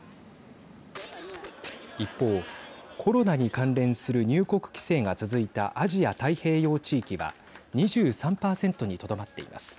一方、コロナに関連する入国規制が続いたアジア太平洋地域は２３％にとどまっています。